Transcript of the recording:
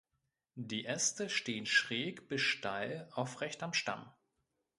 Die Äste stehen schräg bis steil aufrecht am Stamm.